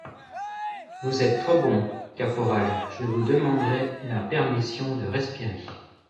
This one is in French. Vous êtes trop bon, caporal, je vous demanderai la permission de respirer.